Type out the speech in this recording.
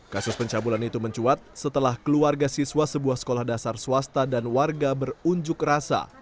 kasus pencabulan itu mencuat setelah keluarga siswa sebuah sekolah dasar swasta dan warga berunjuk rasa